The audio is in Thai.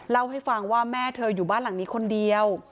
เล่าให้ฟังว่าแม่เธออยู่บ้านหลังนี้คนเดียว